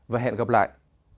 và hẹn gặp lại